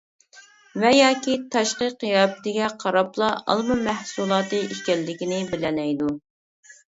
ۋە ياكى تاشقى قىياپىتىگە قاراپلا ئالما مەھسۇلاتى ئىكەنلىكىنى بىلەلەيدۇ.